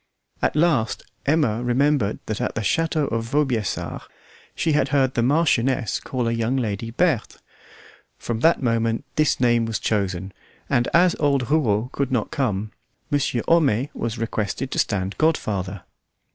At last Emma remembered that at the château of Vaubyessard she had heard the Marchioness call a young lady Berthe; from that moment this name was chosen; and as old Rouault could not come, Monsieur Homais was requested to stand godfather.